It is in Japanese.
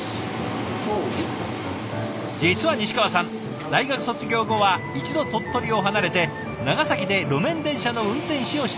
実は西川さん大学卒業後は一度鳥取を離れて長崎で路面電車の運転士をしていました。